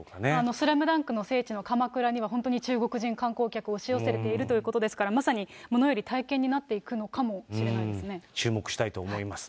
スラムダンクの聖地の鎌倉には、本当に中国人観光客、押し寄せているということですから、まさに物より体験になっていくのか注目したいと思います。